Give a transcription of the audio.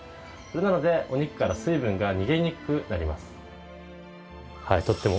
なのでお肉から水分が逃げにくくなります。